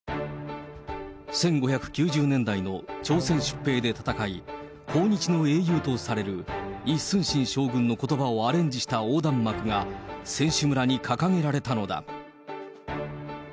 １５９０年代の朝鮮出兵で戦い、抗日の英雄とされるイ・スンシン将軍のことばをアレンジした横断幕が選手村に掲げられたのだ。